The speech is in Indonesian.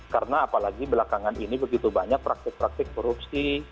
karena apalagi belakangan ini begitu banyak praktik praktik korupsi